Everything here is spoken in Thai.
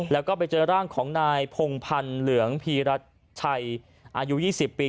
แล้วก็ไปเจอร่างของนายพงพันธ์เหลืองพีรัชชัยอายุ๒๐ปี